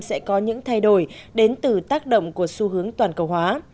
sẽ có những thay đổi đến từ tác động của xu hướng toàn cầu hóa